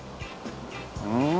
うん。